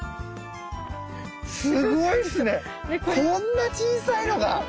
すごいっすねこんな小さいのが。